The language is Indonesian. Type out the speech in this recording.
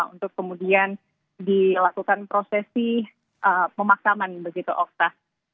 untuk kemudian dilakukan prosesi pemakaman begitu okta